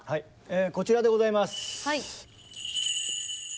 こちらでございます。